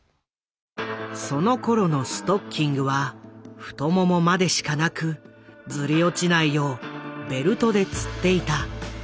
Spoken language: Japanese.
そのころのストッキングは太ももまでしかなくずり落ちないようベルトでつっていた。